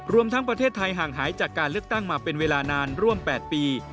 รวมทั้งประเทศไทยห่างหายจากการเลือกตั้งมาเป็นเวลานานร่วม๘ปี